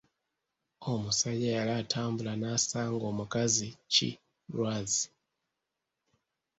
Omusajja yali atambula nasanga omukazi ki lwazi.